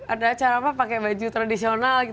ada acara apa pakai baju tradisional